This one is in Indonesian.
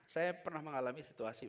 saya pernah mengalami situasi